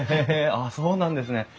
あっそうなんですね。